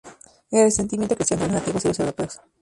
El resentimiento creció entre los nativos y los europeos.